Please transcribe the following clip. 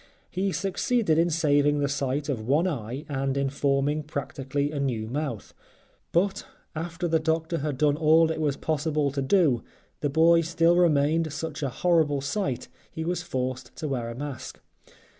He succeeded in saving the sight of one eye and in forming practically a new mouth. But after the doctor had done all it was possible to do the boy still remained such a horrible sight he was forced to wear a mask.